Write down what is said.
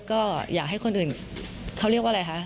ก็อยากให้คนอื่นเขาเรียกว่าอะไรคะ